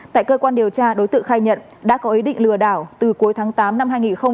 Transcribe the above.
tại cơ quan điều tra đối tượng khai nhận đã có ý định lừa đảo từ cuối tháng tám năm hai nghìn hai mươi ba